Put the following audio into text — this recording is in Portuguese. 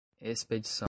expedição